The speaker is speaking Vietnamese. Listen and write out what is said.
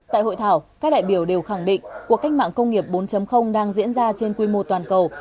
tại hội thảo các đại biểu đều khẳng định cuộc cách mạng công nghiệp bốn đang diễn ra trên quy mô toàn cầu